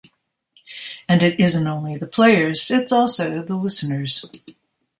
And it isn't only the players; it's also the listeners.